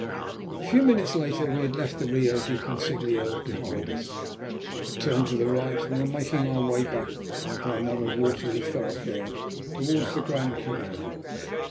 A few minutes later we had left the Rio del Consiglio behind us, had turned to the right, and were making our way back by another watery thoroughfare towards the Grand Canal.